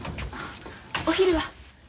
お昼は？